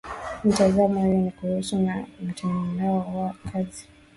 Mitazamo iyo ni kuhusiana na utendaji wao wa kazi